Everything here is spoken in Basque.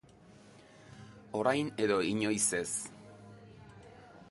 Orain edo inoiz ez.